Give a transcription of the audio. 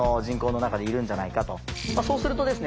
そうするとですね